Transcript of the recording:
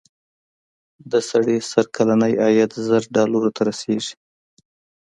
د سړي سر کلنی عاید زر ډالرو ته رسېږي.